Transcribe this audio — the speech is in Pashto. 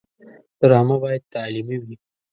ډرامه باید تعلیمي وي